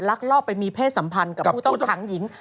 ลอบไปมีเพศสัมพันธ์กับผู้ต้องขังหญิง